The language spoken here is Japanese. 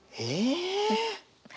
えっ？